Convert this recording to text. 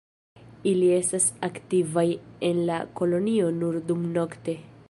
Ili estas aktivaj en la kolonio nur dumnokte.